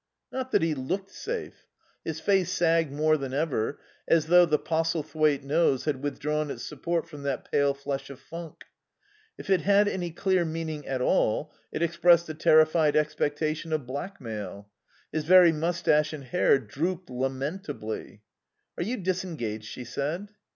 Not that he looked safe. His face sagged more than ever, as though the Postlethwaite nose had withdrawn its support from that pale flesh of funk. If it had any clear meaning at all it expressed a terrified expectation of blackmail. His very moustache and hair drooped lamentably. "Are you disengaged?" she said.